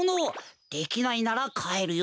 できないならかえるよ。